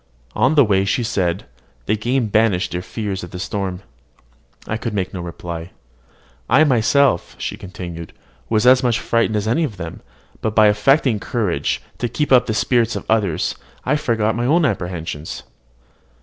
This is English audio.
On the way she said, "The game banished their fears of the storm." I could make no reply. "I myself," she continued, "was as much frightened as any of them; but by affecting courage, to keep up the spirits of the others, I forgot my apprehensions."